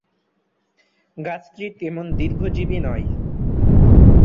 গাছটি তেমন দীর্ঘজীবী নয়।